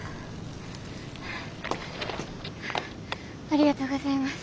ありがとうございます。